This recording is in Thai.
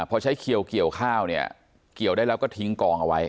พอใช้เขียวเกี่ยวข้าวเนี่ยเกี่ยวได้แล้วก็ทิ้งกองเอาไว้